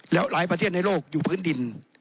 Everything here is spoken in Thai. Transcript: แล้วหลายประเทศในโลกอยู่พื้นดิน